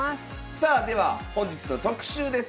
さあでは本日の特集です。